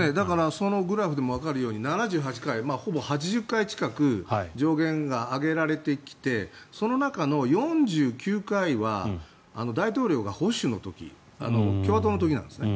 そのグラフでもわかるように７８回、ほぼ８０回近く上限が上げられてきてその中の４９回は大統領が保守の時共和党の時なんですね。